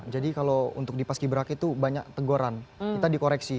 jadi kalau untuk di pas kiberaka itu banyak tegoran kita dikoreksi